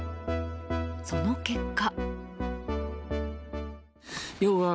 その結果。